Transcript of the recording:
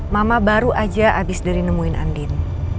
mama baru aja abis dari nemuin angin